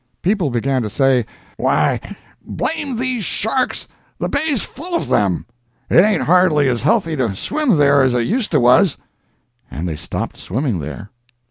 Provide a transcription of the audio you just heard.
People began to say "Why, blame these sharks, the Bay's full of them—it ain't hardly as healthy to swim there as it used to was"—and they stopped swimming there.